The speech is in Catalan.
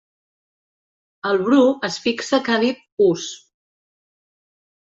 El Bru es fixa que ha dit “us”.